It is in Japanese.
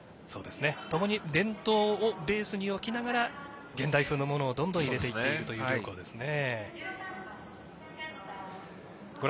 ともに伝統をベースに置きながら現代風のものをどんどん入れていくという両校ですね。